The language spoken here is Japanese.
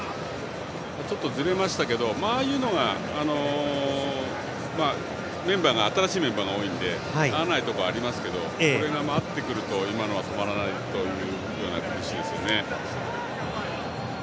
ちょっとずれましたがああいうのが新しいメンバーが多いので合わないところがありますがこれが合ってくると止まらないというような崩しですね。